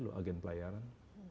lho agen pelayaran